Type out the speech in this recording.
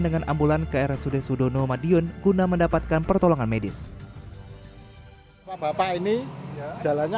dengan ambulan ke rsud sudono madiun guna mendapatkan pertolongan medis bapak ini jalannya